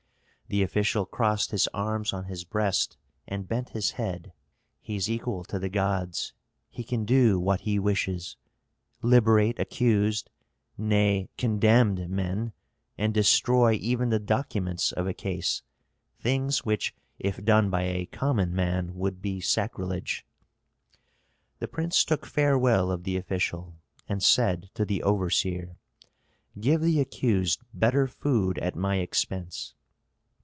The official crossed his arms on his breast and bent his head, "He is equal to the gods, he can do what he wishes; liberate accused, nay, condemned men, and destroy even the documents of a case, things which if done by a common man would be sacrilege." The prince took farewell of the official, and said to the overseer, "Give the accused better food at my expense."